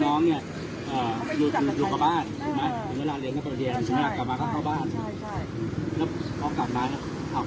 ตอนนี้กำหนังไปคุยของผู้สาวว่ามีคนละตบ